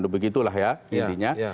begitulah ya intinya